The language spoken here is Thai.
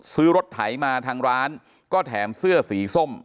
ซื้อรถไถมาทางร้านก็แถมเสื้อสีส้ม